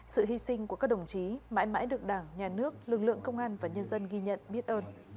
sự hy sinh của các đồng chí mãi mãi được đảng nhà nước lực lượng công an và nhân dân ghi nhận biết ơn